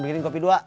bikinin kopi dua